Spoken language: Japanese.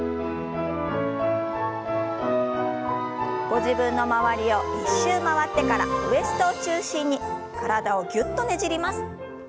ご自分の周りを１周回ってからウエストを中心に体をぎゅっとねじります。